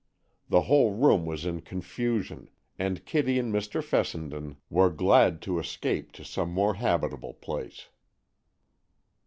The whole room was in confusion, and Kitty and Mr. Fessenden were glad to escape to some more habitable place.